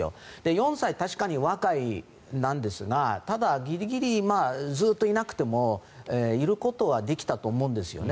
４歳、確かに若いんですがギリギリずっといなくてもいることはできたと思うんですよね。